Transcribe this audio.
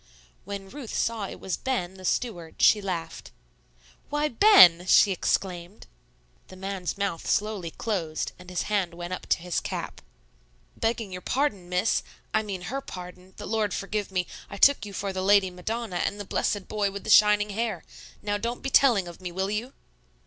When Ruth saw it was Ben, the steward, she laughed. "Why, Ben!" she exclaimed. The man's mouth slowly closed, and his hand went up to his cap. "Begging your pardon, Miss, I mean Her pardon, the Lord forgive me, I took you for the Lady Madonna and the blessed Boy with the shining hair. Now, don't be telling of me, will you?"